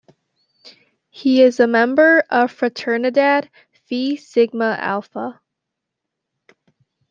He is a member of Fraternidad Fi Sigma Alfa.